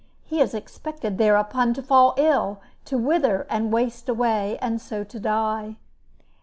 He is expected thereupon to fall ill, to wither and waste away, and so to die.